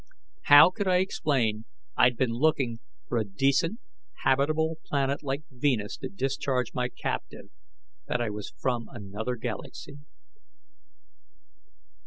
How could I explain I'd been looking for a decent, habitable planet like Venus to discharge my captive, that I was from another galaxy?